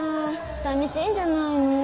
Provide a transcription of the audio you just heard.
さみしいんじゃないの？